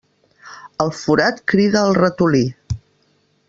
El forat crida el ratolí.